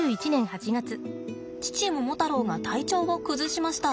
父モモタロウが体調を崩しました。